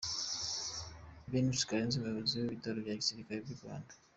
Benis Karenzi, umuyobozi w’ibitaro bya Gisirikare by’u Rwanda.